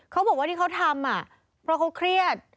เขาบอกว่าที่เขาทำเพราะเขาเครียด